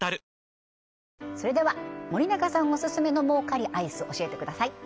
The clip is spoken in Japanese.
それでは森永さんおすすめの儲かりアイス教えてください